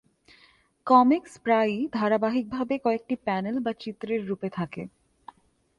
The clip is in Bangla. কমিকস প্রায়ই ধারাবাহিকভাবে কয়েকটি প্যানেল বা চিত্রের রূপে থাকে।